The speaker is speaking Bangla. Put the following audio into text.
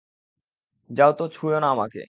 যাও তো, ছুঁয়ো না আমাকে।